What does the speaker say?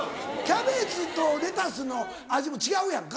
キャベツとレタスの味も違うやんか。